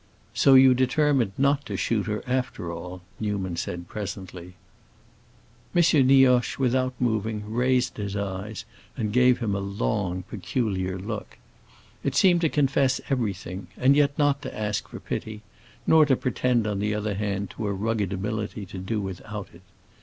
"So you determined not to shoot her, after all," Newman said presently. M. Nioche, without moving, raised his eyes and gave him a long, peculiar look. It seemed to confess everything, and yet not to ask for pity, nor to pretend, on the other hand, to a rugged ability to do without it.